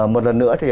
một lần nữa